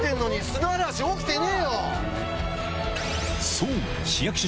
そう！